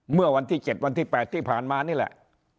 เมื่อวันที่๗วันที่๘ที่ผ่านมานี่แหละ